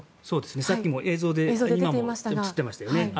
さっきも映像で映っていましたよね。